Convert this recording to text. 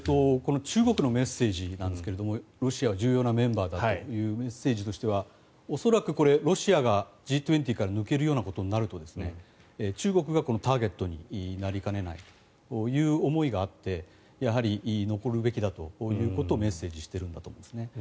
この中国のメッセージですがロシアは重要なメンバーだというメッセージとしては恐らくロシアがＧ２０から抜けるようなことになると中国がターゲットになりかねないという思いがあって残るべきだということをメッセージしているんだと思います。